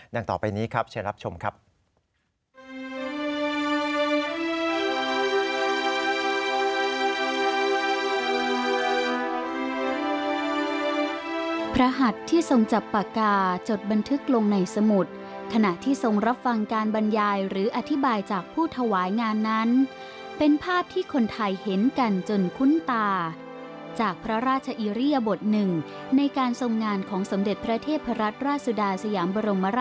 ต่อไปนี้ครับเชิญรับชมครับ